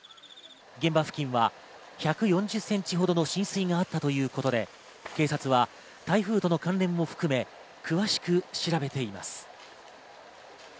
現場付近は１４０センチほどの浸水があったということで、警察は台風との関連も含め詳しく調べています。